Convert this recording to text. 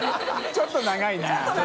ちょっと長いね。